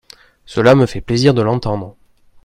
Cela me fait plaisir de l’entendre